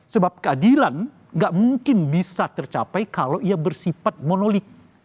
sebab keadilan gak mungkin bisa tercapai kalau ia bersifat monolik